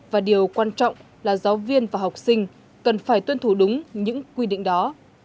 và điều quan trọng là giáo viên và học sinh cần phải tuân thủ đúng những quy định đó